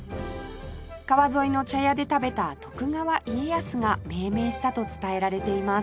川沿いの茶屋で食べた徳川家康が命名したと伝えられています